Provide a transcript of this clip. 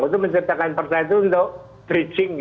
itu menciptakan pertalite untuk bridging